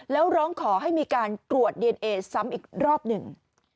แล้วร้องขอให้มีการตรวจดีเอนเอซ้ำอีกรอบหนึ่ง